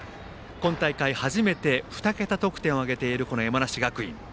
今大会、初めて２桁得点を挙げているこの山梨学院。